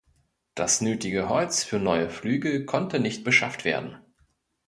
Das nötige Holz für neue Flügel konnte nicht beschafft werden.